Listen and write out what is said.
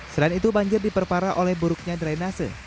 selain itu banjir diperparah oleh buruknya drainase